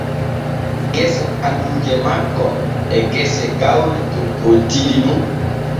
Gese kajuuje makko e gese gawri takkontiri nun.